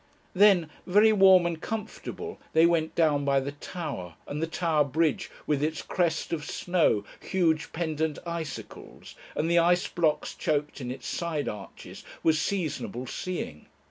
Then, very warm and comfortable, they went down by the Tower, and the Tower Bridge with its crest of snow, huge pendant icicles, and the ice blocks choked in its side arches, was seasonable seeing.